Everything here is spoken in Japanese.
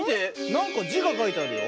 なんかじがかいてあるよ。